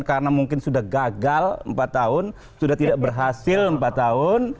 karena mungkin sudah gagal empat tahun sudah tidak berhasil empat tahun